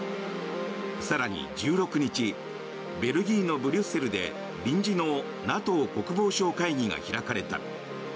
更に１６日ベルギーのブリュッセルで臨時のＮＡＴＯ国防相会議が開かれた。